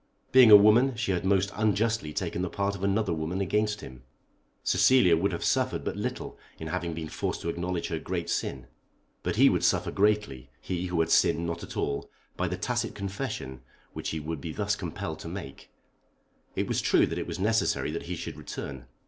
Being a woman she had most unjustly taken the part of another woman against him. Cecilia would have suffered but little in having been forced to acknowledge her great sin. But he would suffer greatly, he who had sinned not at all, by the tacit confession which he would be thus compelled to make. It was true that it was necessary that he should return.